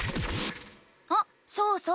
あそうそう！